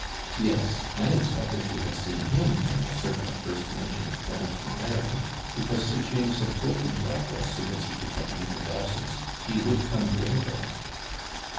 'Yes, I expected to have seen him when the servant first mentioned a friend from Ireland; because Sir James had told me that, as soon as he could get leave of absence, he would come to England.'